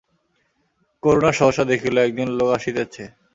করূণা সহসা দেখিল একজন লোক আসিতেছে।